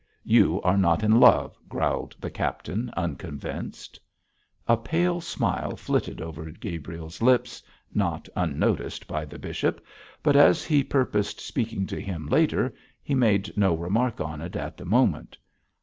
'You are not in love,' growled the captain, unconvinced. A pale smile flitted over Gabriel's lips, not unnoticed by the bishop, but as he purposed speaking to him later, he made no remark on it at the moment.